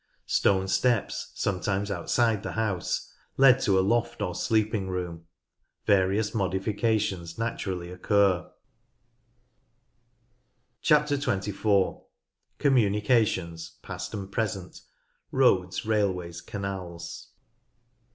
Stone steps, sometimes outside the house, led to a loft or sleeping room. Various modifications naturally occur. COMMUNICATIONS 141 24. Communications— Past and Present. Roads, Railways, Canals.